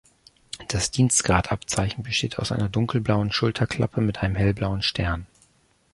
Das Dienstgradabzeichen besteht aus einer dunkelblauen Schulterklappe mit einem hellblauen Stern.